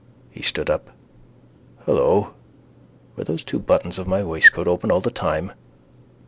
He stood up. Hello. Were those two buttons of my waistcoat open all the time?